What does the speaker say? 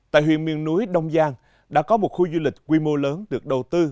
tại huyện miền núi đông giang đã có một khu du lịch quy mô lớn được đầu tư